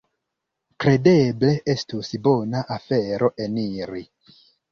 Kredeble estus bona afero eniri."